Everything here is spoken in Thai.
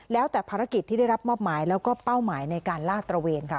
แล้วแต่ภารกิจที่ได้รับมอบหมายแล้วก็เป้าหมายในการลาดตระเวนค่ะ